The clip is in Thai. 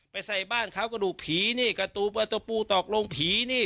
ใส่บ้านเขากระดูกผีนี่ประตูประตูตอกลงผีนี่